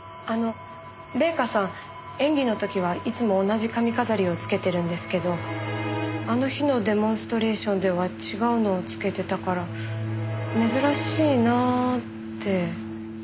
あの礼夏さん演技の時はいつも同じ髪飾りをつけてるんですけどあの日のデモンストレーションでは違うのをつけてたから珍しいなぁって。